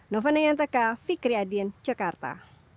novanayantaka fikri adin jakarta